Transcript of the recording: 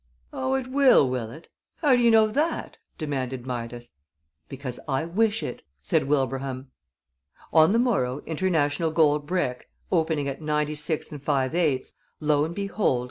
"Oh, it will, will it? How do you know that?" demanded Midas. "Because I wish it," said Wilbraham. And on the morrow International Gold Brick, opening at 96 5/8, lo and behold!